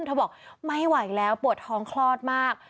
เธอบอกไม่ไหวแล้วปวดท้องคลอดมาก